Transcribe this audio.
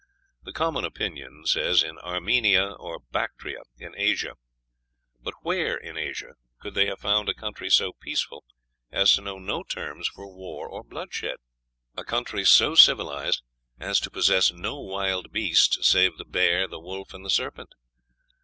The common opinion says, in Armenia or Bactria, in Asia. But where in Asia could they have found a country so peaceful as to know no terms for war or bloodshed a country so civilized as to possess no wild beasts save the bear, wolf, and serpent?